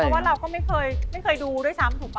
เพราะว่าเราก็ไม่เคยดูด้วยซ้ำถูกป่